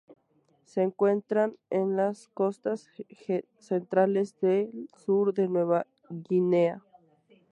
Se encuentran en las costas centrales del sur de Nueva Guinea.